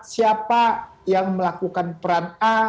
siapa yang melakukan peran a